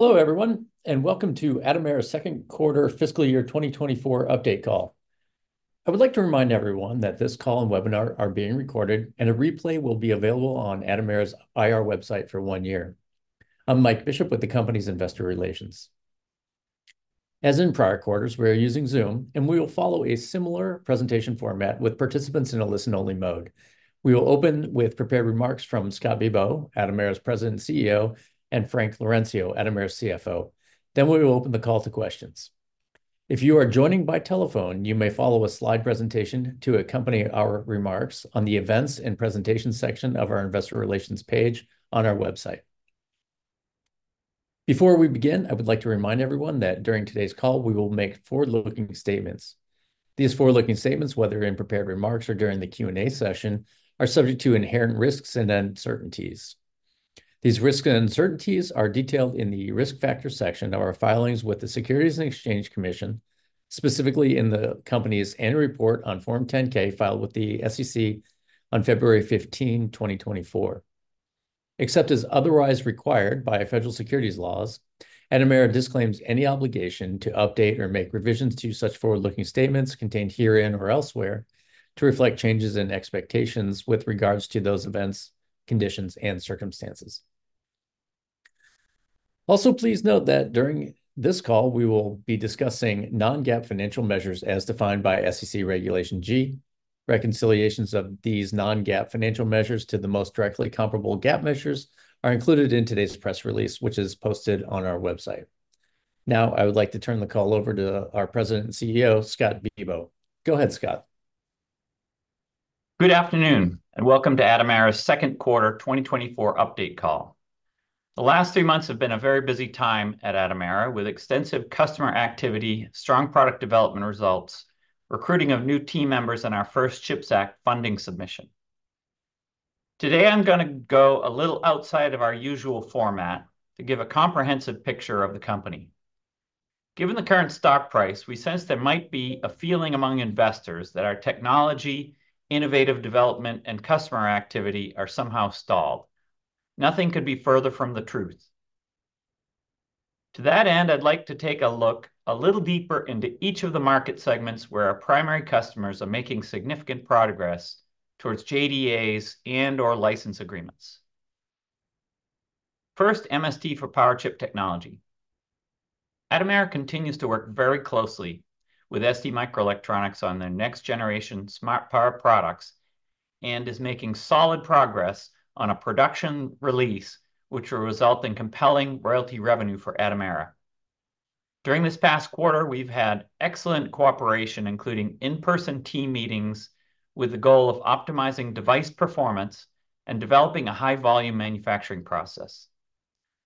Hello, everyone, and welcome to Atomera's second quarter fiscal year 2024 update call. I would like to remind everyone that this call and webinar are being recorded, and a replay will be available on Atomera's IR website for one year. I'm Mike Bishop with the company's investor relations. As in prior quarters, we are using Zoom, and we will follow a similar presentation format with participants in a listen-only mode. We will open with prepared remarks from Scott Bibaud, Atomera's President and CEO, and Frank Laurencio, Atomera's CFO. Then we will open the call to questions. If you are joining by telephone, you may follow a slide presentation to accompany our remarks on the Events and Presentations section of our Investor Relations page on our website. Before we begin, I would like to remind everyone that during today's call, we will make forward-looking statements. These forward-looking statements, whether in prepared remarks or during the Q&A session, are subject to inherent risks and uncertainties. These risks and uncertainties are detailed in the Risk Factors section of our filings with the Securities and Exchange Commission, specifically in the company's annual report on Form 10-K, filed with the SEC on February 15, 2024. Except as otherwise required by federal securities laws, Atomera disclaims any obligation to update or make revisions to such forward-looking statements contained herein or elsewhere to reflect changes in expectations with regards to those events, conditions, and circumstances. Also, please note that during this call, we will be discussing non-GAAP financial measures as defined by SEC Regulation G. Reconciliations of these non-GAAP financial measures to the most directly comparable GAAP measures are included in today's press release, which is posted on our website. Now, I would like to turn the call over to our President and CEO, Scott Bibaud. Go ahead, Scott. Good afternoon, and welcome to Atomera's second quarter 2024 update call. The last three months have been a very busy time at Atomera, with extensive customer activity, strong product development results, recruiting of new team members, and our first CHIPS Act funding submission. Today, I'm gonna go a little outside of our usual format to give a comprehensive picture of the company. Given the current stock price, we sense there might be a feeling among investors that our technology, innovative development, and customer activity are somehow stalled. Nothing could be further from the truth. To that end, I'd like to take a look a little deeper into each of the market segments where our primary customers are making significant progress towards JDAs and/or license agreements. First, MST for power chip technology. Atomera continues to work very closely with STMicroelectronics on their next-generation smart power products and is making solid progress on a production release, which will result in compelling royalty revenue for Atomera. During this past quarter, we've had excellent cooperation, including in-person team meetings, with the goal of optimizing device performance and developing a high-volume manufacturing process.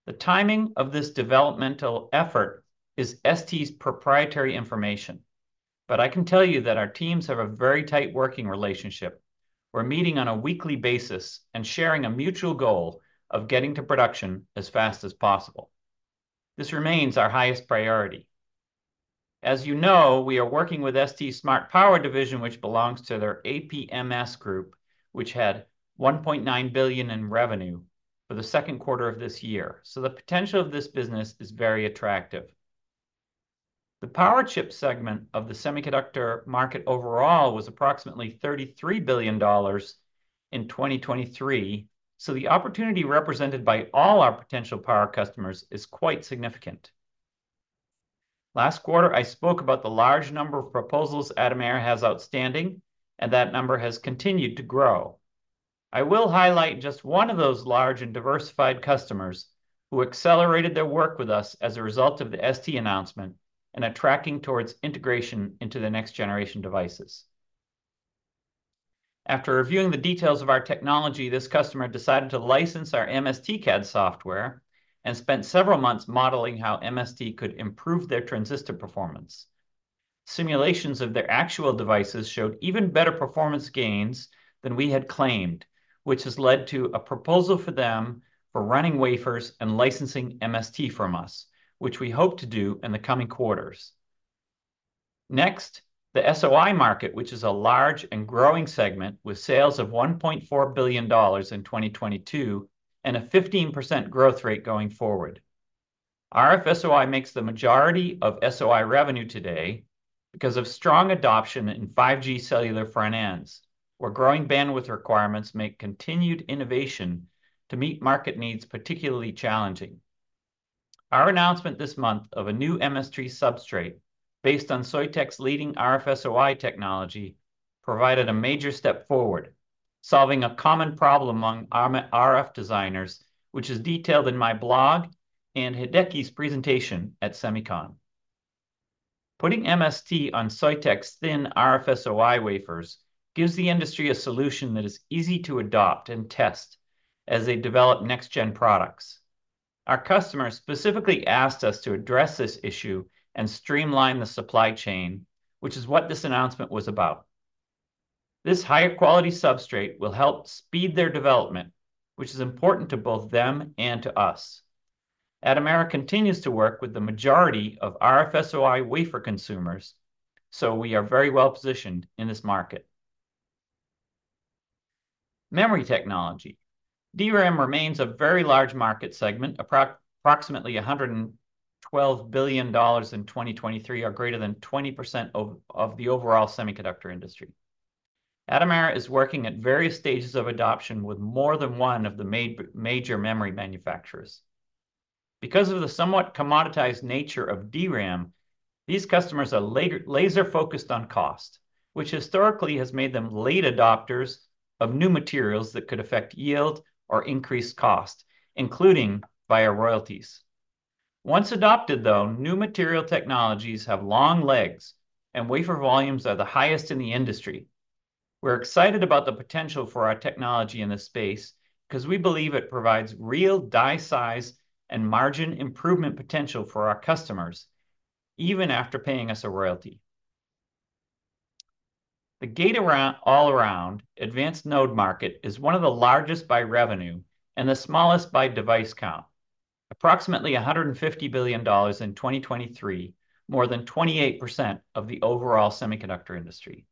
The timing of this developmental effort is ST's proprietary information, but I can tell you that our teams have a very tight working relationship. We're meeting on a weekly basis and sharing a mutual goal of getting to production as fast as possible. This remains our highest priority. As you know, we are working with ST's Smart Power division, which belongs to their APMS group, which had $1.9 billion in revenue for the second quarter of this year, so the potential of this business is very attractive. The power chip segment of the semiconductor market overall was approximately $33 billion in 2023, so the opportunity represented by all our potential power customers is quite significant. Last quarter, I spoke about the large number of proposals Atomera has outstanding, and that number has continued to grow. I will highlight just one of those large and diversified customers who accelerated their work with us as a result of the ST announcement and are tracking towards integration into the next-generation devices. After reviewing the details of our technology, this customer decided to license our MSTcad software and spent several months modeling how MST could improve their transistor performance. Simulations of their actual devices showed even better performance gains than we had claimed, which has led to a proposal for them for running wafers and licensing MST from us, which we hope to do in the coming quarters. Next, the SOI market, which is a large and growing segment with sales of $1.4 billion in 2022 and a 15% growth rate going forward. RF SOI makes the majority of SOI revenue today because of strong adoption in 5G cellular front ends, where growing bandwidth requirements make continued innovation to meet market needs particularly challenging. Our announcement this month of a new MST substrate based on Soitec's leading RF SOI technology provided a major step forward, solving a common problem among RF designers, which is detailed in my blog and Hideki's presentation at SEMICON. Putting MST on Soitec's thin RF SOI wafers gives the industry a solution that is easy to adopt and test as they develop next-gen products. Our customers specifically asked us to address this issue and streamline the supply chain, which is what this announcement was about. This higher-quality substrate will help speed their development, which is important to both them and to us. Atomera continues to work with the majority of RF SOI wafer consumers, so we are very well-positioned in this market. Memory technology. DRAM remains a very large market segment, approximately $112 billion in 2023, or greater than 20% of the overall semiconductor industry. Atomera is working at various stages of adoption with more than one of the major memory manufacturers. Because of the somewhat commoditized nature of DRAM, these customers are laser focused on cost, which historically has made them late adopters of new materials that could affect yield or increase cost, including via royalties. Once adopted, though, new material technologies have long legs, and wafer volumes are the highest in the industry. We're excited about the potential for our technology in this space, 'cause we believe it provides real die size and margin improvement potential for our customers, even after paying us a royalty. The gate-all-around advanced node market is one of the largest by revenue and the smallest by device count, approximately $150 billion in 2023, more than 28% of the overall semiconductor industry.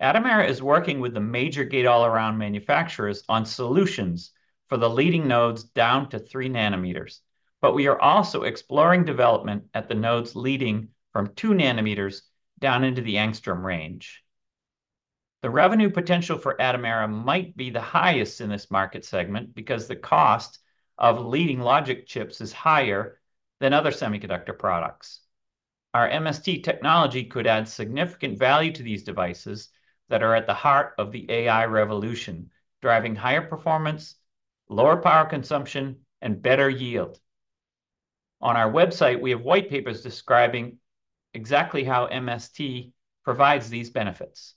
Atomera is working with the major gate-all-around manufacturers on solutions for the leading nodes down to 3 nanometers, but we are also exploring development at the nodes leading from 2 nm down into the angstrom range. The revenue potential for Atomera might be the highest in this market segment because the cost of leading logic chips is higher than other semiconductor products. Our MST technology could add significant value to these devices that are at the heart of the AI revolution, driving higher performance, lower power consumption, and better yield. On our website, we have white papers describing exactly how MST provides these benefits.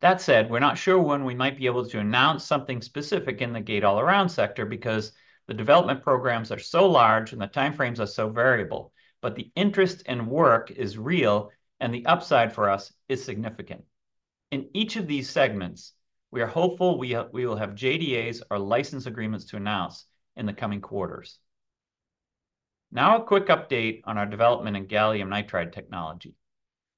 That said, we're not sure when we might be able to announce something specific in the gate-all-around sector, because the development programs are so large and the time frames are so variable. But the interest and work is real, and the upside for us is significant. In each of these segments, we are hopeful we will have JDAs or license agreements to announce in the coming quarters. Now, a quick update on our development in gallium nitride technology.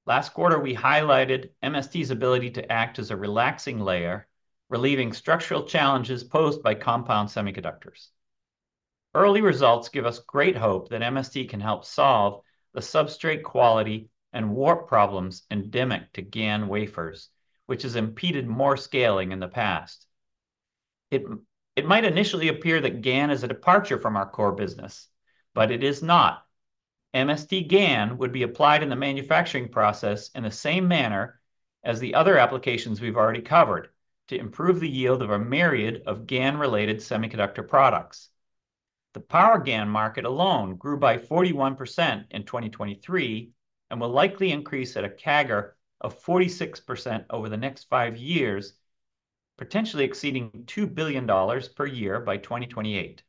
Last quarter, we highlighted MST's ability to act as a relaxing layer, relieving structural challenges posed by compound semiconductors. Early results give us great hope that MST can help solve the substrate quality and warp problems endemic to GaN wafers, which has impeded more scaling in the past. It might initially appear that GaN is a departure from our core business, but it is not. MST GaN would be applied in the manufacturing process in the same manner as the other applications we've already covered to improve the yield of a myriad of GaN-related semiconductor products. The power GaN market alone grew by 41% in 2023, and will likely increase at a CAGR of 46% over the next five years, potentially exceeding $2 billion per year by 2028.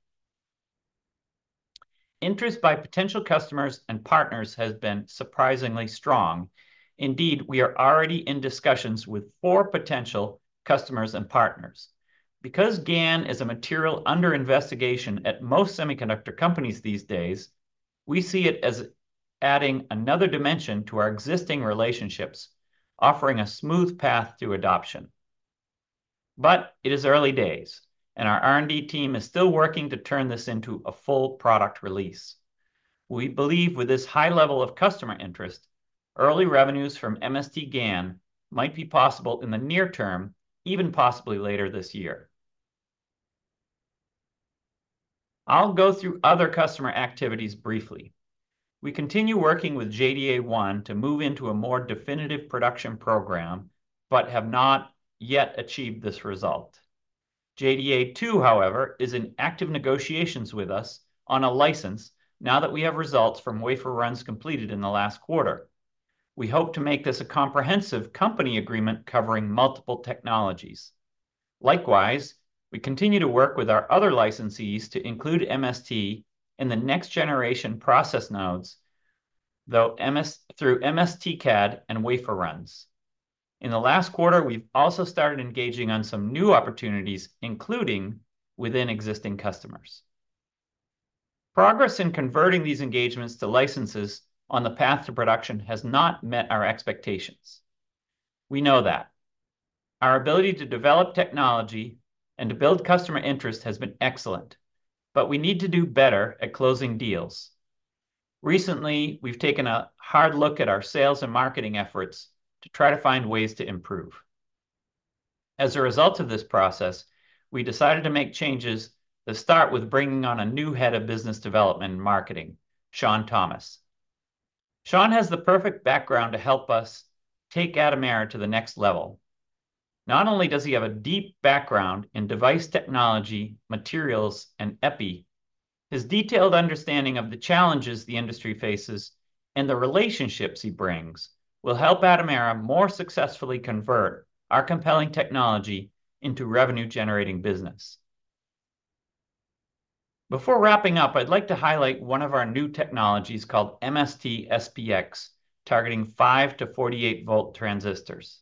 Interest by potential customers and partners has been surprisingly strong. Indeed, we are already in discussions with four potential customers and partners. Because GaN is a material under investigation at most semiconductor companies these days, we see it as adding another dimension to our existing relationships, offering a smooth path to adoption. But it is early days, and our R&D team is still working to turn this into a full product release. We believe with this high level of customer interest, early revenues from MST GaN might be possible in the near term, even possibly later this year. I'll go through other customer activities briefly. We continue working with JDA one to move into a more definitive production program, but have not yet achieved this result. JDA two, however, is in active negotiations with us on a license now that we have results from wafer runs completed in the last quarter. We hope to make this a comprehensive company agreement covering multiple technologies. Likewise, we continue to work with our other licensees to include MST in the next generation process nodes, through MSTcad and wafer runs. In the last quarter, we've also started engaging on some new opportunities, including within existing customers. Progress in converting these engagements to licenses on the path to production has not met our expectations. We know that. Our ability to develop technology and to build customer interest has been excellent, but we need to do better at closing deals. Recently, we've taken a hard look at our sales and marketing efforts to try to find ways to improve. As a result of this process, we decided to make changes that start with bringing on a new head of business development and marketing, Shawn Thomas. Shawn has the perfect background to help us take Atomera to the next level. Not only does he have a deep background in device technology, materials, and epi, his detailed understanding of the challenges the industry faces and the relationships he brings will help Atomera more successfully convert our compelling technology into revenue-generating business. Before wrapping up, I'd like to highlight one of our new technologies called MST-SPX, targeting 5 V-48 V transistors.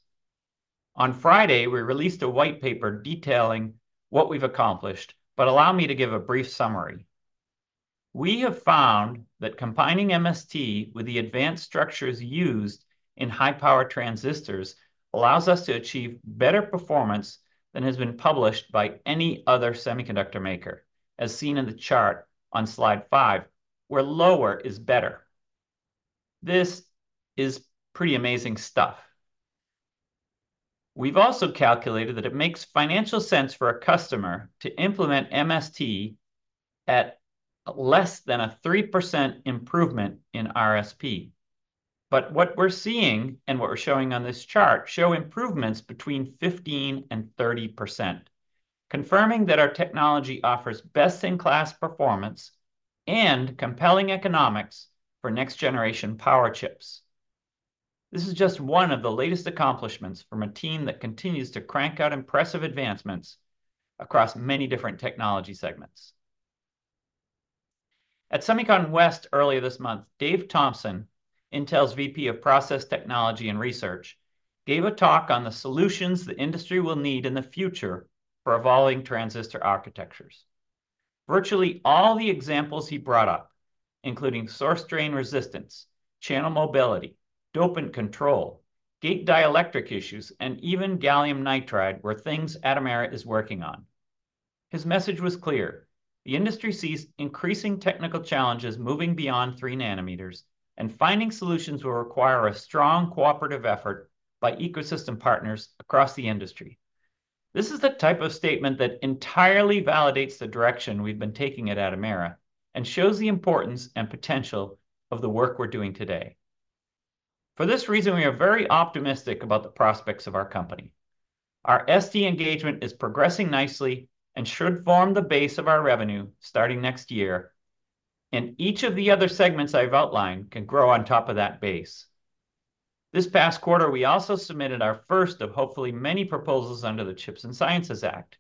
On Friday, we released a white paper detailing what we've accomplished, but allow me to give a brief summary. We have found that combining MST with the advanced structures used in high-power transistors allows us to achieve better performance than has been published by any other semiconductor maker, as seen in the chart on slide five, where lower is better. This is pretty amazing stuff. We've also calculated that it makes financial sense for a customer to implement MST at less than a 3% improvement in RSP. But what we're seeing, and what we're showing on this chart, show improvements between 15% and 30%, confirming that our technology offers best-in-class performance and compelling economics for next-generation power chips. This is just one of the latest accomplishments from a team that continues to crank out impressive advancements across many different technology segments. At SEMICON West, earlier this month, Dave Thompson, Intel's VP of Process Technology and Research, gave a talk on the solutions the industry will need in the future for evolving transistor architectures. Virtually all the examples he brought up, including source drain resistance, channel mobility, dopant control, gate dielectric issues, and even gallium nitride, were things Atomera is working on. His message was clear: the industry sees increasing technical challenges moving beyond 3 nm, and finding solutions will require a strong cooperative effort by ecosystem partners across the industry. This is the type of statement that entirely validates the direction we've been taking at Atomera, and shows the importance and potential of the work we're doing today. For this reason, we are very optimistic about the prospects of our company. Our ST engagement is progressing nicely and should form the base of our revenue starting next year, and each of the other segments I've outlined can grow on top of that base. This past quarter, we also submitted our first of hopefully many proposals under the CHIPS and Science Act.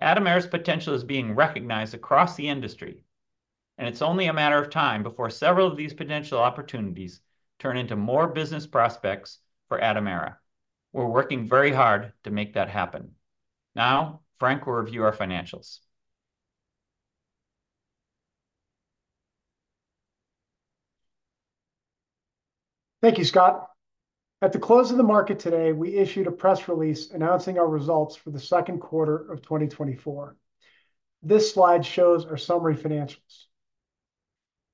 Atomera's potential is being recognized across the industry, and it's only a matter of time before several of these potential opportunities turn into more business prospects for Atomera. We're working very hard to make that happen. Now, Frank will review our financials. Thank you, Scott. At the close of the market today, we issued a press release announcing our results for the second quarter of 2024. This slide shows our summary financials.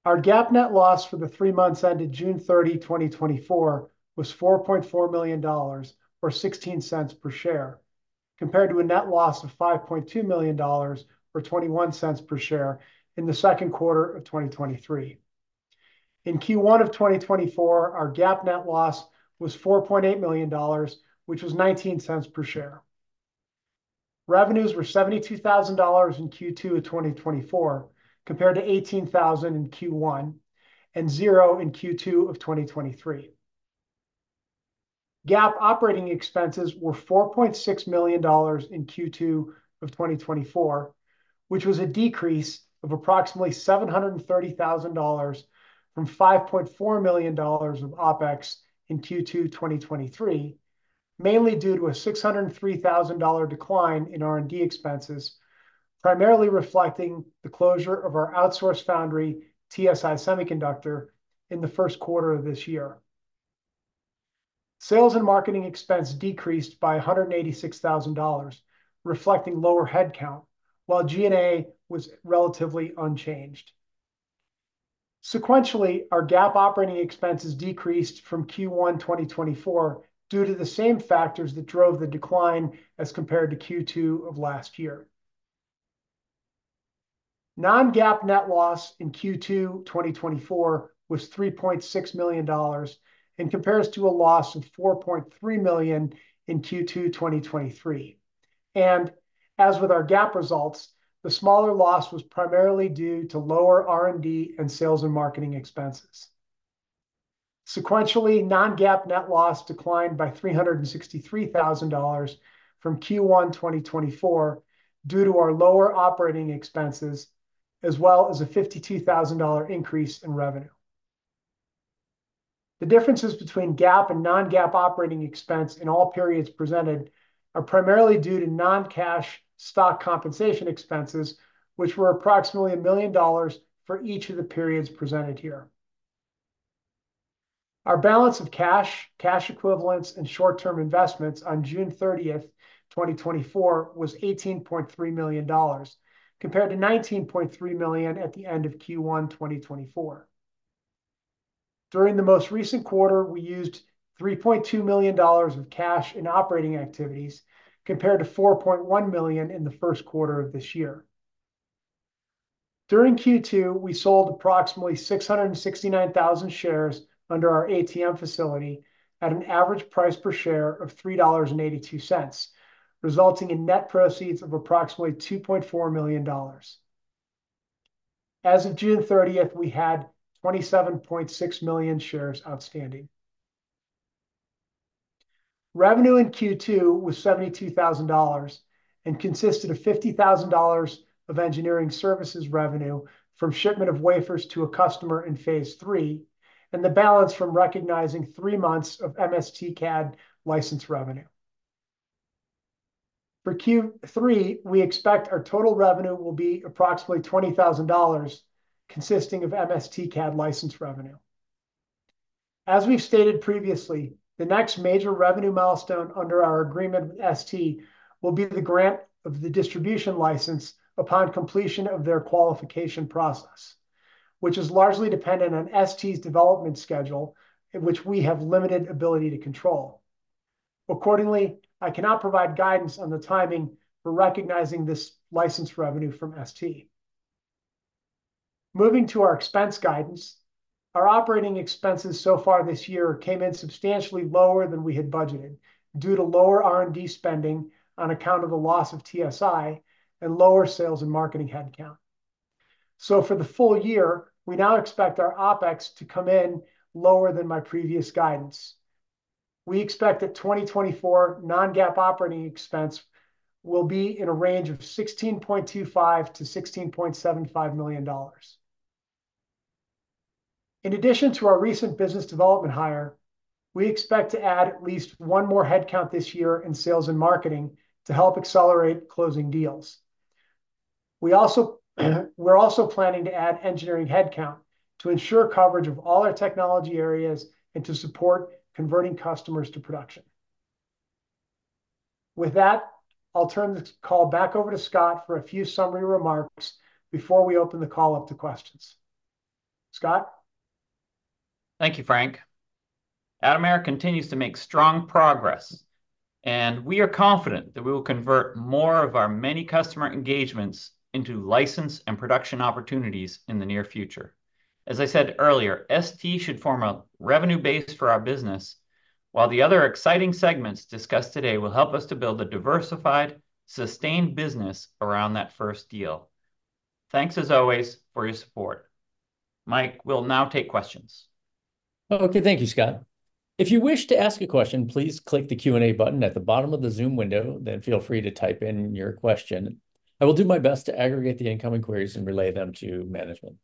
Our GAAP net loss for the three months ended June 30, 2024, was $4.4 million, or $0.16 per share, compared to a net loss of $5.2 million, or $0.21 per share in the second quarter of 2023. In Q1 of 2024, our GAAP net loss was $4.8 million, which was $0.19 per share. Revenues were $72,000 in Q2 of 2024, compared to $18,000 in Q1, and $0 in Q2 of 2023. GAAP operating expenses were $4.6 million in Q2 of 2024, which was a decrease of approximately $730,000 from $5.4 million of OpEx in Q2 2023, mainly due to a $603,000 decline in R&D expenses, primarily reflecting the closure of our outsourced foundry, TSI Semiconductors, in the first quarter of this year. Sales and marketing expense decreased by $186,000, reflecting lower headcount, while G&A was relatively unchanged. Sequentially, our GAAP operating expenses decreased from Q1 2024 due to the same factors that drove the decline as compared to Q2 of last year. Non-GAAP net loss in Q2 2024 was $3.6 million and compares to a loss of $4.3 million in Q2 2023. As with our GAAP results, the smaller loss was primarily due to lower R&D and sales and marketing expenses. Sequentially, non-GAAP net loss declined by $363,000 from Q1 2024 due to our lower operating expenses, as well as a $52,000 increase in revenue. The differences between GAAP and non-GAAP operating expense in all periods presented are primarily due to non-cash stock compensation expenses, which were approximately $1 million for each of the periods presented here. Our balance of cash, cash equivalents, and short-term investments on June 30, 2024, was $18.3 million, compared to $19.3 million at the end of Q1 2024. During the most recent quarter, we used $3.2 million of cash in operating activities, compared to $4.1 million in the first quarter of this year. During Q2, we sold approximately 669,000 shares under our ATM facility at an average price per share of $3.82, resulting in net proceeds of approximately $2.4 million. As of June 30, we had 27.6 million shares outstanding. Revenue in Q2 was $72,000, and consisted of $50,000 of engineering services revenue from shipment of wafers to a customer in phase III, and the balance from recognizing three months of MSTcad license revenue. For Q3, we expect our total revenue will be approximately $20,000, consisting of MSTcad license revenue. As we've stated previously, the next major revenue milestone under our agreement with ST will be the grant of the distribution license upon completion of their qualification process, which is largely dependent on ST's development schedule, and which we have limited ability to control. Accordingly, I cannot provide guidance on the timing for recognizing this license revenue from ST. Moving to our expense guidance, our operating expenses so far this year came in substantially lower than we had budgeted, due to lower R&D spending on account of the loss of TSI, and lower sales and marketing headcount. So for the full year, we now expect our OpEx to come in lower than my previous guidance. We expect that 2024 non-GAAP operating expense will be in a range of $16.25 million-$16.75 million. In addition to our recent business development hire, we expect to add at least one more headcount this year in sales and marketing to help accelerate closing deals. We also, we're also planning to add engineering headcount to ensure coverage of all our technology areas and to support converting customers to production. With that, I'll turn this call back over to Scott for a few summary remarks before we open the call up to questions. Scott? Thank you, Frank. Atomera continues to make strong progress, and we are confident that we will convert more of our many customer engagements into license and production opportunities in the near future. As I said earlier, ST should form a revenue base for our business, while the other exciting segments discussed today will help us to build a diversified, sustained business around that first deal. Thanks, as always, for your support. Mike, we'll now take questions. Okay, thank you, Scott. If you wish to ask a question, please click the Q&A button at the bottom of the Zoom window, then feel free to type in your question. I will do my best to aggregate the incoming queries and relay them to management.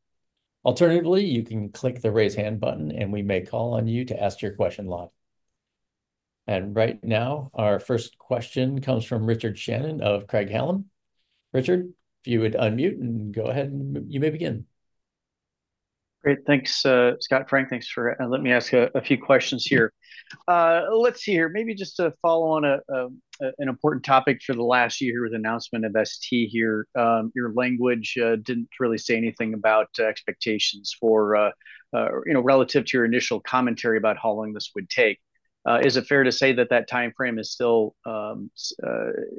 Alternatively, you can click the Raise Hand button, and we may call on you to ask your question live. And right now, our first question comes from Richard Shannon of Craig-Hallum. Richard, if you would unmute and go ahead, you may begin. Great. Thanks, Scott. Frank, thanks for... And let me ask a few questions here. Let's see here. Maybe just to follow on an important topic for the last year with the announcement of ST here. Your language didn't really say anything about expectations for, you know, relative to your initial commentary about how long this would take. Is it fair to say that that timeframe is still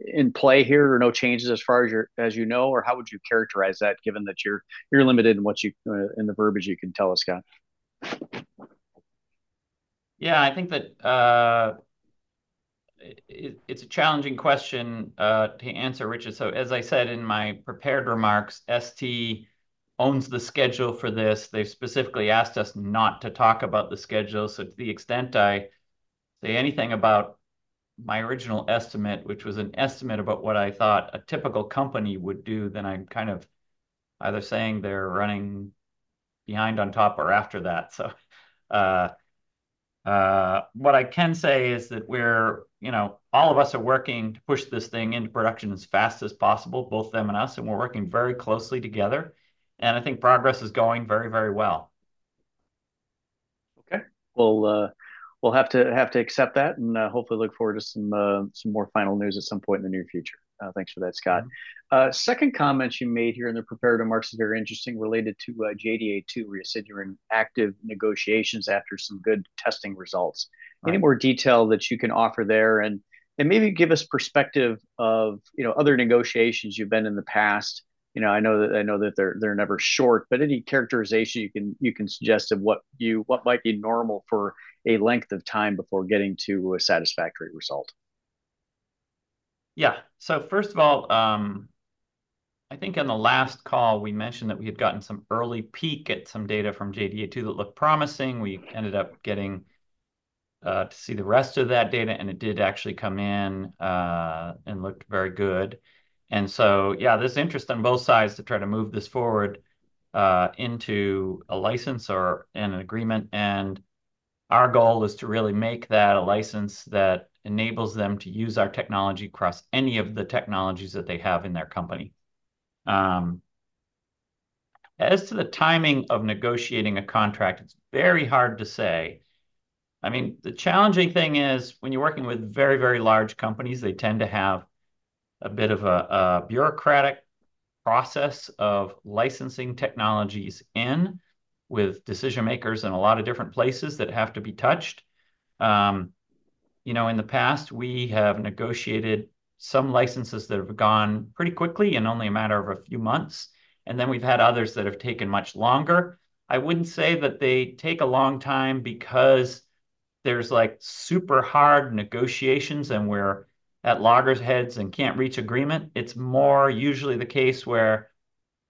in play here, or no changes as far as you know? Or how would you characterize that, given that you're limited in what you in the verbiage you can tell us, Scott? Yeah, I think that, it's a challenging question to answer, Richard. So, as I said in my prepared remarks, ST owns the schedule for this. They've specifically asked us not to talk about the schedule. So to the extent I say anything about my original estimate, which was an estimate about what I thought a typical company would do, then I'm kind of either saying they're running behind on top or after that. So, what I can say is that we're, you know, all of us are working to push this thing into production as fast as possible, both them and us, and we're working very closely together, and I think progress is going very, very well. Okay. Well, we'll have to accept that, and hopefully look forward to some more final news at some point in the near future. Thanks for that, Scott. Mm-hmm. Second comment you made here in the prepared remarks is very interesting, related to JDA two, where you said you're in active negotiations after some good testing results. Right. Any more detail that you can offer there? And maybe give us perspective of, you know, other negotiations you've been in the past. You know, I know that they're never short, but any characterization you can suggest of what might be normal for a length of time before getting to a satisfactory result? Yeah. So first of all, I think on the last call, we mentioned that we had gotten some early peek at some data from JDA two, that looked promising. We ended up getting to see the rest of that data, and it did actually come in, and looked very good. And so, yeah, there's interest on both sides to try to move this forward into a license or, and an agreement. And our goal is to really make that a license that enables them to use our technology across any of the technologies that they have in their company. As to the timing of negotiating a contract, it's very hard to say. I mean, the challenging thing is, when you're working with very, very large companies, they tend to have a bit of a bureaucratic process of licensing technologies in, with decision-makers in a lot of different places that have to be touched. You know, in the past, we have negotiated some licenses that have gone pretty quickly, in only a matter of a few months, and then we've had others that have taken much longer. I wouldn't say that they take a long time because there's, like, super hard negotiations, and we're at loggerheads and can't reach agreement. It's more usually the case where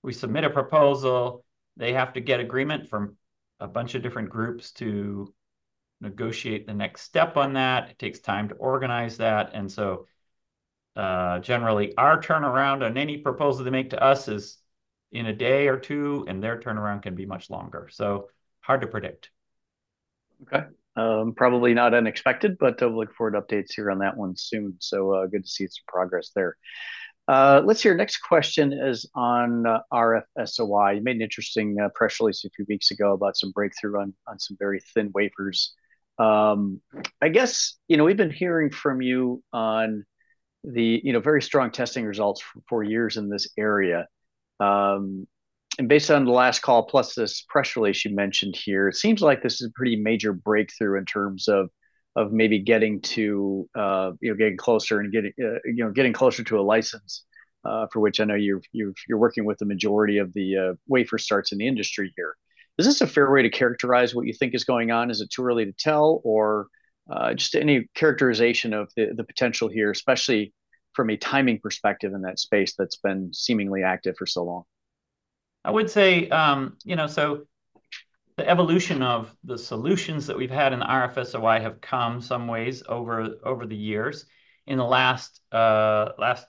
we submit a proposal, they have to get agreement from a bunch of different groups to negotiate the next step on that. It takes time to organize that. Generally, our turnaround on any proposal they make to us is in a day or two, and their turnaround can be much longer. So hard to predict.... Okay, probably not unexpected, but I'll look forward to updates here on that one soon. So, good to see some progress there. Let's see, our next question is on RF SOI. You made an interesting, press release a few weeks ago about some breakthrough on some very thin wafers. I guess, you know, we've been hearing from you on the, you know, very strong testing results for years in this area. And based on the last call, plus this press release you mentioned here, it seems like this is a pretty major breakthrough in terms of maybe getting to, you know, getting closer and getting, you know, getting closer to a license, for which I know you're working with the majority of the, wafer starts in the industry here. Is this a fair way to characterize what you think is going on? Is it too early to tell or just any characterization of the potential here, especially from a timing perspective in that space that's been seemingly active for so long? I would say, you know, so the evolution of the solutions that we've had in RFSOI have come some ways over, over the years. In the last, last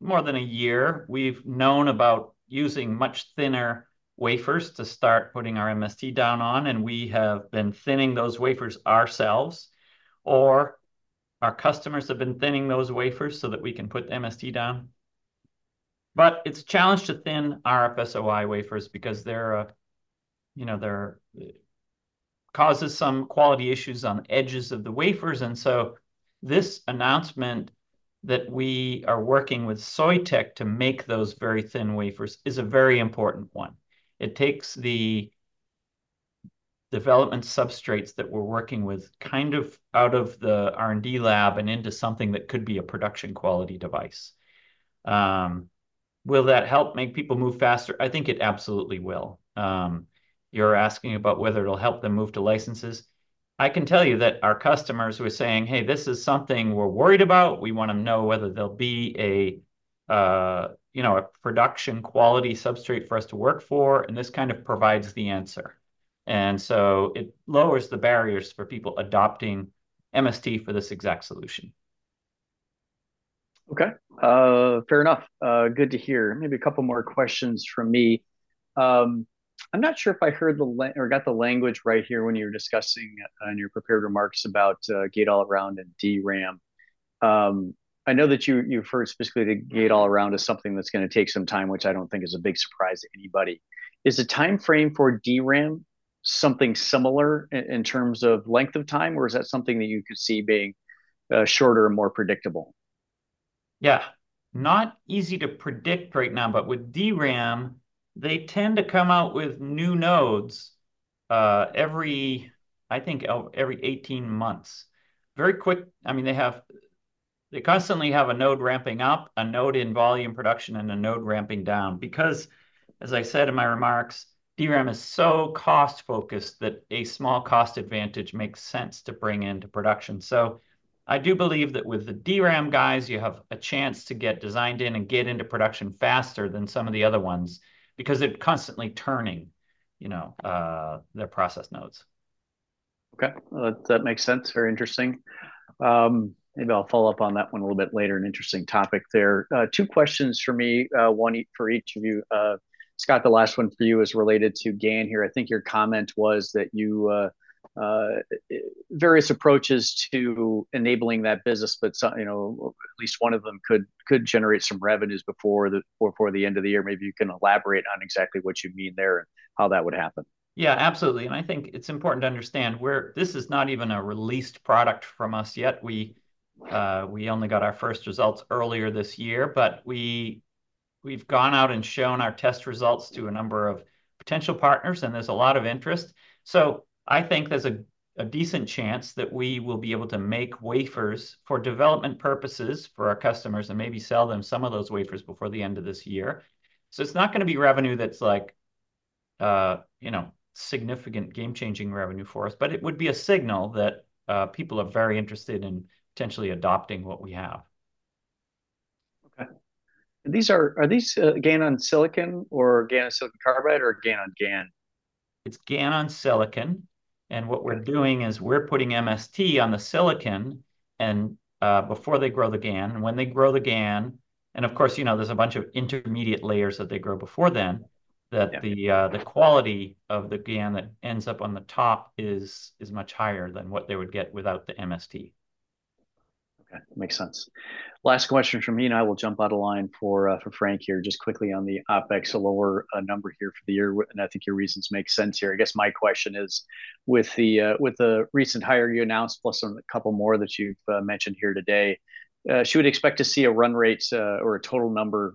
more than a year, we've known about using much thinner wafers to start putting our MST down on, and we have been thinning those wafers ourselves, or our customers have been thinning those wafers so that we can put MST down. But it's a challenge to thin RFSOI wafers because they're, you know, they're... causes some quality issues on edges of the wafers. And so this announcement that we are working with Soitec to make those very thin wafers is a very important one. It takes the development substrates that we're working with kind of out of the R&D lab and into something that could be a production quality device. Will that help make people move faster? I think it absolutely will. You're asking about whether it'll help them move to licenses. I can tell you that our customers who are saying, "Hey, this is something we're worried about, we want to know whether there'll be a, you know, a production quality substrate for us to work for," and this kind of provides the answer. And so it lowers the barriers for people adopting MST for this exact solution. Okay, fair enough. Good to hear. Maybe a couple more questions from me. I'm not sure if I heard the language right here when you were discussing on your prepared remarks about gate-all-around and DRAM. I know that you referred specifically to gate-all-around as something that's gonna take some time, which I don't think is a big surprise to anybody. Is the timeframe for DRAM something similar in terms of length of time, or is that something that you could see being shorter and more predictable? Yeah. Not easy to predict right now, but with DRAM, they tend to come out with new nodes every, I think, every 18 months. Very quick, I mean, they have. They constantly have a node ramping up, a node in volume production, and a node ramping down. Because, as I said in my remarks, DRAM is so cost-focused that a small cost advantage makes sense to bring into production. So I do believe that with the DRAM guys, you have a chance to get designed in and get into production faster than some of the other ones, because they're constantly turning, you know, their process nodes. Okay, well, that makes sense. Very interesting. Maybe I'll follow up on that one a little bit later, an interesting topic there. Two questions from me, one for each of you. Scott, the last one for you is related to GaN here. I think your comment was that you various approaches to enabling that business, but so, you know, at least one of them could generate some revenues before the end of the year. Maybe you can elaborate on exactly what you mean there, and how that would happen. Yeah, absolutely. I think it's important to understand where... This is not even a released product from us yet. We, we only got our first results earlier this year, but we, we've gone out and shown our test results to a number of potential partners, and there's a lot of interest. So I think there's a decent chance that we will be able to make wafers for development purposes for our customers, and maybe sell them some of those wafers before the end of this year. So it's not gonna be revenue that's like, you know, significant game-changing revenue for us, but it would be a signal that people are very interested in potentially adopting what we have. Okay. And are these GaN on silicon or GaN on silicon carbide or GaN on GaN? It's GaN on silicon, and what we're doing is we're putting MST on the silicon, and before they grow the GaN, and when they grow the GaN, and of course, you know, there's a bunch of intermediate layers that they grow before then, that the- Yeah... the quality of the GaN that ends up on the top is much higher than what they would get without the MST. Okay, makes sense. Last question from me, and I will jump out of line for, for Frank here. Just quickly on the OpEx, a lower, number here for the year, and I think your reasons make sense here. I guess my question is, with the, with the recent hire you announced, plus some, a couple more that you've, mentioned here today, should we expect to see a run rate, or a total number,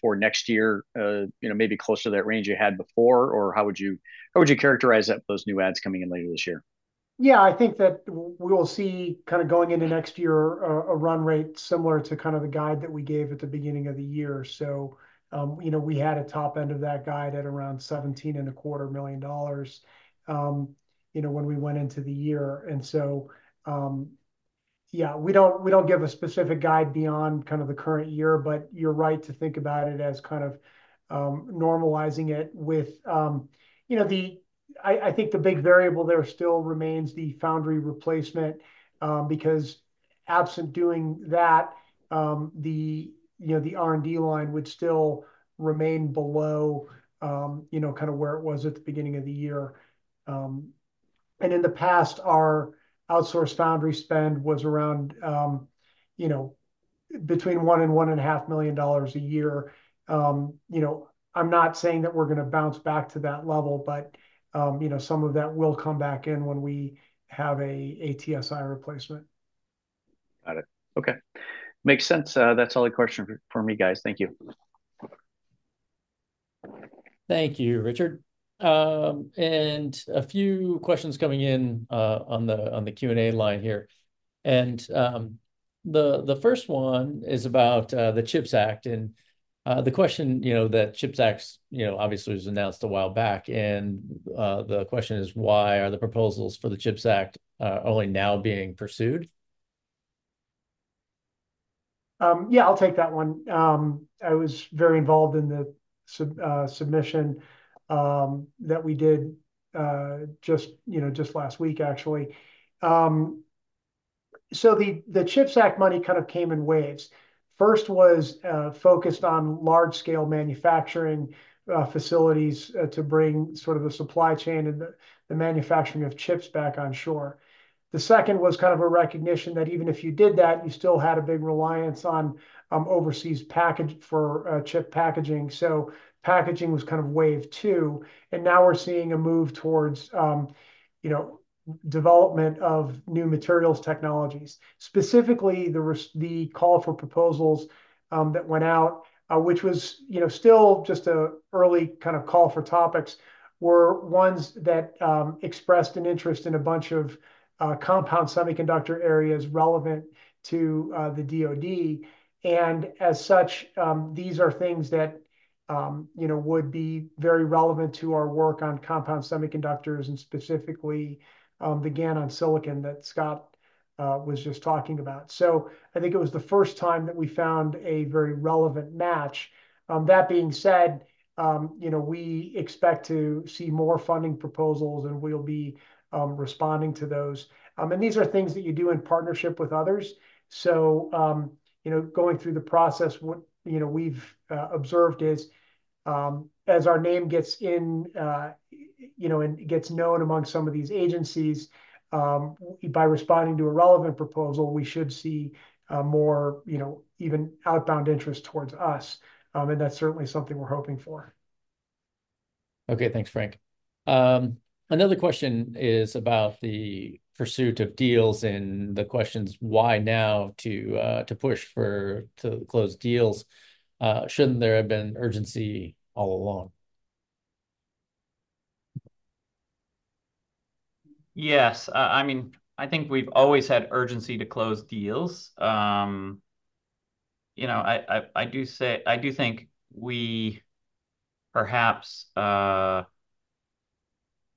for next year, you know, maybe closer to that range you had before? Or how would you, how would you characterize that, those new adds coming in later this year? Yeah, I think that we will see, kind of going into next year, a run rate similar to kind of the guide that we gave at the beginning of the year. So, you know, we had a top end of that guide at around $17.25 million, you know, when we went into the year. And so, yeah, we don't, we don't give a specific guide beyond kind of the current year, but you're right to think about it as kind of, normalizing it with... You know, I think the big variable there still remains the foundry replacement, because absent doing that, you know, the R&D line would still remain below, you know, kind of where it was at the beginning of the year. In the past, our outsourced foundry spend was around, you know, between $1 million and $1.5 million a year. You know, I'm not saying that we're gonna bounce back to that level, but, you know, some of that will come back in when we have a TSI replacement. Got it. Okay. Makes sense. That's all the questions for, for me, guys. Thank you. Thank you, Richard. And a few questions coming in, on the Q&A line here. And, the first one is about, the CHIPS Act, and, the question, you know, that CHIPS Acts, you know, obviously was announced a while back, and, the question is, why are the proposals for the CHIPS Act, only now being pursued? Yeah, I'll take that one. I was very involved in the submission that we did, just, you know, just last week, actually. So the CHIPS Act money kind of came in waves. First was focused on large-scale manufacturing facilities to bring sort of the supply chain and the manufacturing of chips back on shore. The second was kind of a recognition that even if you did that, you still had a big reliance on overseas package for chip packaging, so packaging was kind of wave two. And now we're seeing a move towards, you know, development of new materials technologies. Specifically, the call for proposals that went out, which was, you know, still just an early kind of call for topics, were ones that expressed an interest in a bunch of compound semiconductor areas relevant to the DoD. And as such, these are things that, you know, would be very relevant to our work on compound semiconductors, and specifically, the gallium silicon that Scott was just talking about. So I think it was the first time that we found a very relevant match. That being said, you know, we expect to see more funding proposals, and we'll be responding to those. And these are things that you do in partnership with others, so you know, going through the process, what you know, we've observed is, as our name gets out, you know, and gets known among some of these agencies, by responding to a relevant proposal, we should see more, you know, even outbound interest towards us. And that's certainly something we're hoping for. Okay. Thanks, Frank. Another question is about the pursuit of deals and the question's: why now to push for, to close deals? Shouldn't there have been urgency all along? Yes. I mean, I think we've always had urgency to close deals. You know, I do think we perhaps thought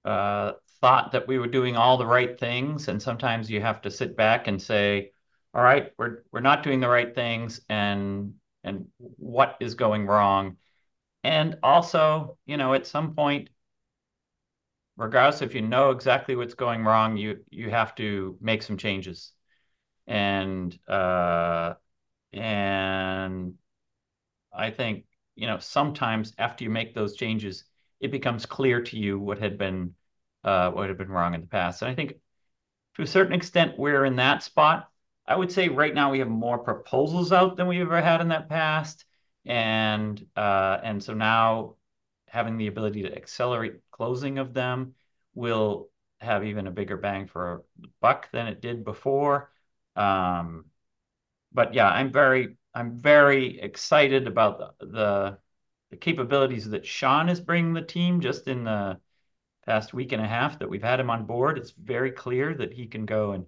that we were doing all the right things, and sometimes you have to sit back and say, "All right, we're not doing the right things," and, "What is going wrong?" Also, you know, at some point, regardless if you know exactly what's going wrong, you have to make some changes. And I think, you know, sometimes after you make those changes, it becomes clear to you what had been wrong in the past. I think to a certain extent, we're in that spot. I would say right now we have more proposals out than we've ever had in the past, and so now, having the ability to accelerate closing of them will have even a bigger bang for a buck than it did before. But yeah, I'm very, I'm very excited about the capabilities that Shawn is bringing the team. Just in the past week and a half that we've had him on board, it's very clear that he can go and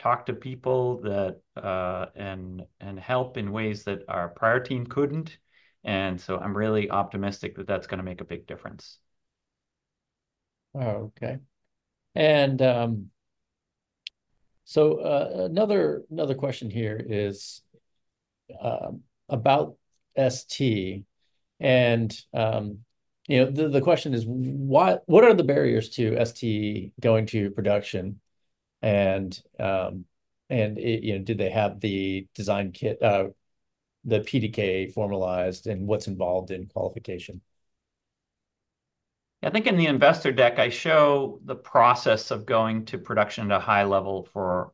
talk to people that and help in ways that our prior team couldn't, and so I'm really optimistic that that's gonna make a big difference. Oh, okay. And, so, another question here is about ST, and, you know, the question is, what are the barriers to ST going to production? And, you know, do they have the design kit, the PDK formalized, and what's involved in qualification? I think in the investor deck, I show the process of going to production at a high level for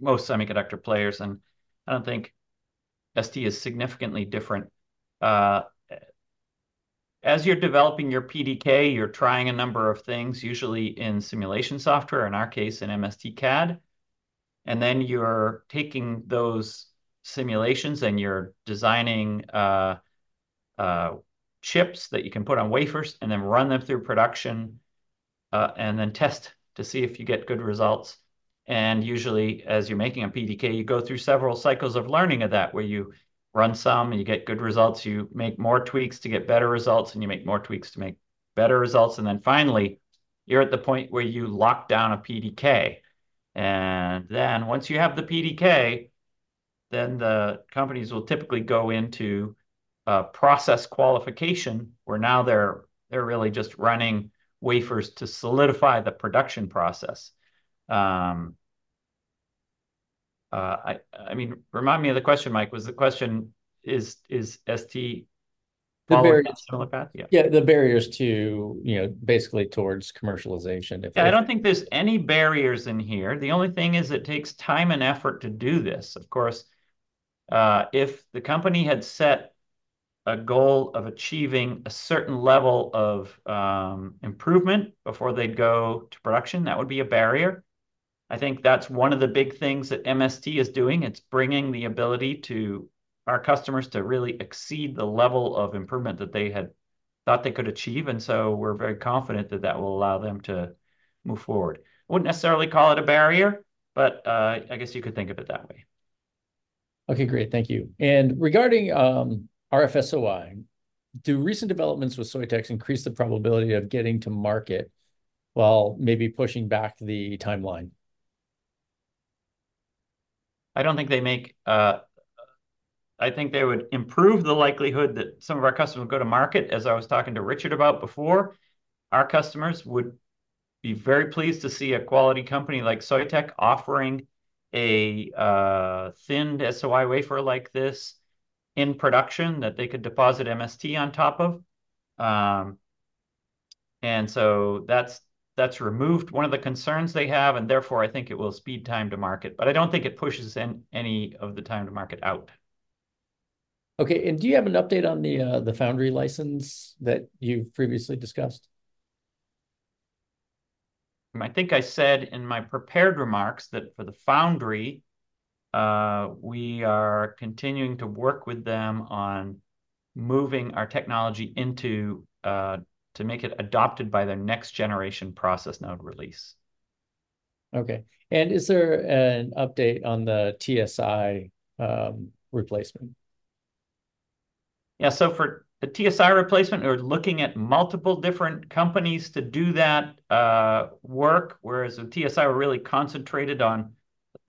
most semiconductor players, and I don't think ST is significantly different. As you're developing your PDK, you're trying a number of things, usually in simulation software, in our case, in MSTcad. And then you're taking those simulations and you're designing chips that you can put on wafers, and then run them through production, and then test to see if you get good results. And usually, as you're making a PDK, you go through several cycles of learning of that, where you run some and you get good results, you make more tweaks to get better results, and you make more tweaks to make better results. And then finally, you're at the point where you lock down a PDK. And then once you have the PDK... Then the companies will typically go into a process qualification, where now they're really just running wafers to solidify the production process. I mean, remind me of the question, Mike. Was the question is ST following a similar path? The barrier- Yeah. Yeah, the barriers to, you know, basically towards commercialization, if there's- I don't think there's any barriers in here. The only thing is it takes time and effort to do this. Of course, if the company had set a goal of achieving a certain level of improvement before they go to production, that would be a barrier. I think that's one of the big things that MST is doing, it's bringing the ability to our customers to really exceed the level of improvement that they had thought they could achieve, and so we're very confident that that will allow them to move forward. I wouldn't necessarily call it a barrier, but, I guess you could think of it that way. Okay, great. Thank you. And regarding RF SOI, do recent developments with Soitec increase the probability of getting to market while maybe pushing back the timeline? I think they would improve the likelihood that some of our customers would go to market, as I was talking to Richard about before. Our customers would be very pleased to see a quality company like Soitec offering a thinned SOI wafer like this in production that they could deposit MST on top of. And so that's, that's removed one of the concerns they have, and therefore, I think it will speed time to market, but I don't think it pushes any of the time to market out. Okay, and do you have an update on the foundry license that you've previously discussed? I think I said in my prepared remarks that for the foundry, we are continuing to work with them on moving our technology into, to make it adopted by their next generation process node release. Okay. Is there an update on the TSI replacement? Yeah, so for the TSI replacement, we're looking at multiple different companies to do that work, whereas with TSI, we're really concentrated on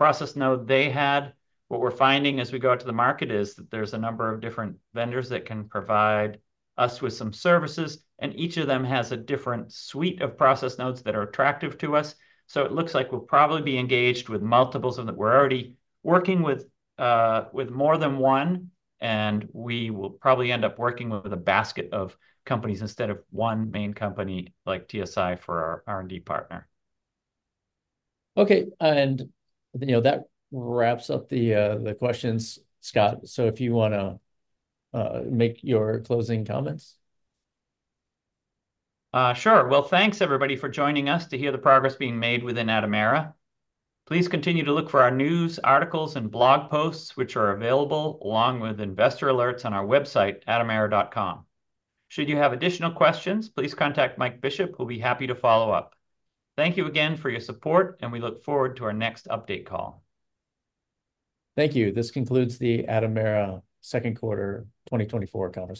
the process node they had. What we're finding as we go out to the market is that there's a number of different vendors that can provide us with some services, and each of them has a different suite of process nodes that are attractive to us. So it looks like we'll probably be engaged with multiples, and that we're already working with more than one, and we will probably end up working with a basket of companies instead of one main company, like TSI, for our R&D partner. Okay, and, you know, that wraps up the questions, Scott. So if you wanna make your closing comments. Sure. Well, thanks, everybody, for joining us to hear the progress being made within Atomera. Please continue to look for our news, articles, and blog posts, which are available, along with investor alerts on our website, atomera.com. Should you have additional questions, please contact Mike Bishop, who'll be happy to follow up. Thank you again for your support, and we look forward to our next update call. Thank you. This concludes the Atomera second quarter 2024 conference call.